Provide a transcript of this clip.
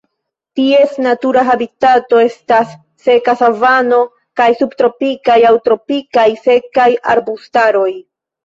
Ties natura habitato estas seka savano kaj subtropikaj aŭ tropikaj sekaj arbustaroj.